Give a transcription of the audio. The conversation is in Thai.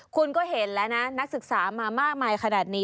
คุณก็เห็นแล้วนะนักศึกษามามากมายขนาดนี้